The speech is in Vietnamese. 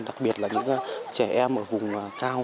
đặc biệt là những trẻ em ở vùng cao